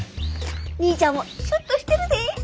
にいちゃんもシュッとしてるで。